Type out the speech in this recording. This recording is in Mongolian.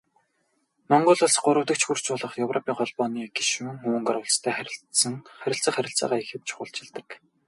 Монгол Улс гуравдагч хөрш болох Европын Холбооны гишүүн Унгар улстай харилцах харилцаагаа ихэд чухалчилдаг.